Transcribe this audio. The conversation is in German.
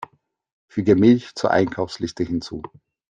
Füge Milch zur Einkaufsliste hinzu!